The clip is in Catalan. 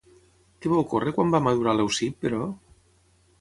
Què va ocórrer quan va madurar Leucip, però?